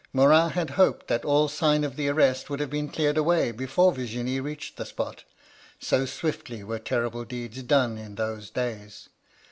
Morin had hoped that all sign of the arrest would have been cleared away before Virginie reached the spot — so swiftly were terrible deeds done in those days.